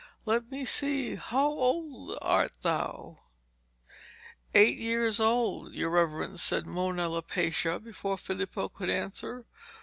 'Let me see how old art thou?' 'Eight years old, your reverence,' said Mona Lapaccia before Filippo could answer.